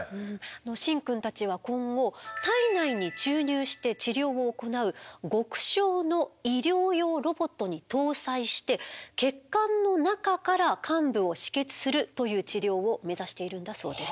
シンくんたちは今後体内に注入して治療を行う極小の医療用ロボットに搭載して血管の中から患部を止血するという治療を目指しているんだそうです。